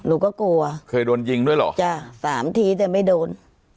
หนูก็กลัวเคยโดนยิงด้วยเหรอจ้ะสามทีแต่ไม่โดน